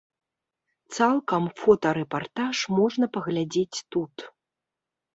Цалкам фотарэпартаж можна паглядзець тут.